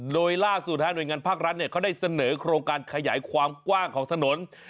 โดยล่าสุดหน่วยงานภาครัฐเขาได้เสนอโครงการขยายความกว้างของถนน